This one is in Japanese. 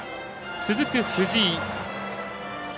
続く藤井。